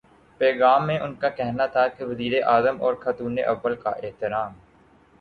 پیغام میں ان کا کہنا تھا کہ وزیرا اعظم اور خاتونِ اول کا احترام